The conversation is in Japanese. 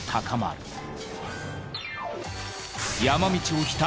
山道をひた